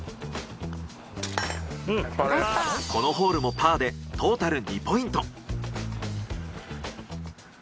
このホールもパーでトータル２ポイント。